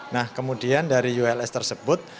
nah kemudian dari uls tersebut